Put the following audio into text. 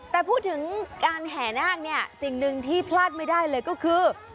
แต่พูดถึงการแห่นาคเนี่ยสิ่งหนึ่งที่พลาดไม่ได้เลยก็คือ